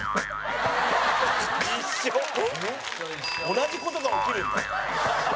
「同じ事が起きるんだ」